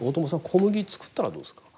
小麦作ったらどうですか。